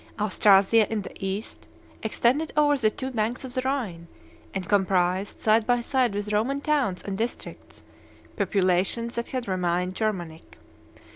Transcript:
Austrasia, in the east, extended over the two banks of the Rhine, and comprised, side by side with Roman towns and districts, populations that had remained Germanic.